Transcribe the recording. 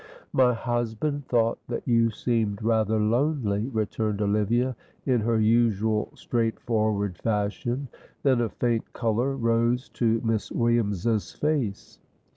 "My husband thought that you seemed rather lonely," returned Olivia, in her usual straightforward fashion. Then a faint colour rose to Miss Williams's face.